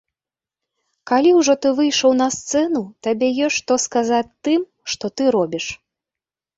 Калі ўжо ты выйшаў на сцэну, табе ёсць што сказаць тым, што ты робіш.